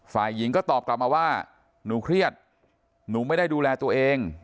ฝ่ายหญิงก็ตอบกลับมาว่าหนูเครียดหนูไม่ได้ดูแลตัวเอง